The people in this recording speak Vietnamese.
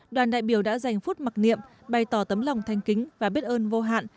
đoàn đại biểu đã dành phút mặc niệm bày tỏ tấm lòng thanh kính và biết ơn vô hạn